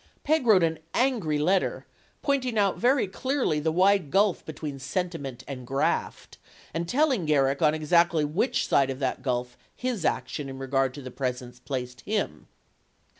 Peg wrote an angry letter, pointing out very clearly the wide gulf between sentiment and graft, and telling Garrick on exactly which side of that gulf his action in regard to the presents placed him.